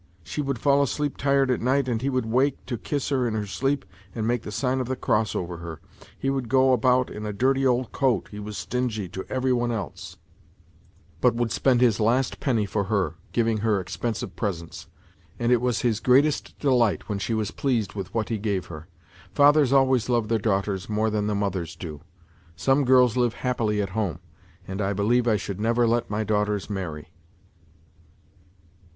She would fall asleep tired at night, and he would wake to kiss li< r in her sleep and make the siirn of the cross over her. He would go about in a dirty old coat, he was stingy to every NOTES FROM UNDERGROUND 126 one else, but would spend his last penny for her, giving her expensive presents, and it was his greatest delight when she was pleased with what he gave her. Fathers always love their daughters more than the mothers do. Some girls live happily at home ! And I believe I should never let my daughters marry."